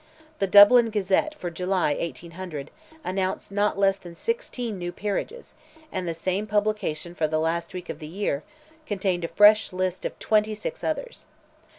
The Dublin Gazette for July, 1800, announced not less than sixteen new peerages, and the same publication for the last week of the year, contained a fresh list of twenty six others.